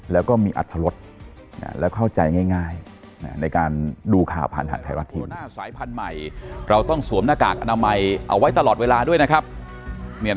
แล้วก็มีอัตรฤษแล้วเข้าใจง่ายในการดูข่าวผ่านหันไทยวัฒนธิบดิ์